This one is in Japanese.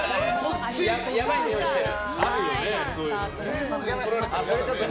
やばいにおいしてる。